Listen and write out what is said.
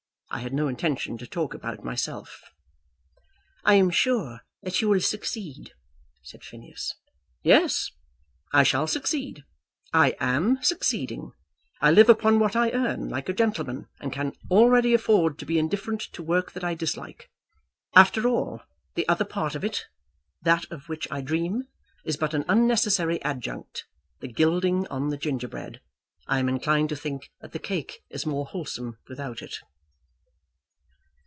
I had no intention to talk about myself." "I am sure that you will succeed," said Phineas. "Yes; I shall succeed. I am succeeding. I live upon what I earn, like a gentleman, and can already afford to be indifferent to work that I dislike. After all, the other part of it, that of which I dream, is but an unnecessary adjunct; the gilding on the gingerbread. I am inclined to think that the cake is more wholesome without it."